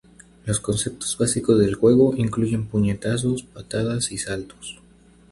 Los conceptos básicos del juego incluyen puñetazos, patadas y saltos.